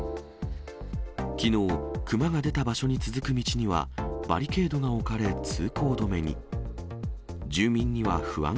きのう、クマが出た場所に続く道にはバリケードが置かれ、通行止めに。